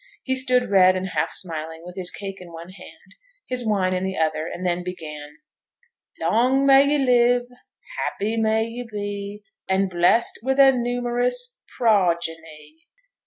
He stood red and half smiling, with his cake in one hand, his wine in the other, and then began, 'Long may ye live, Happy may ye he, And blest with a num'rous Pro ge ny.'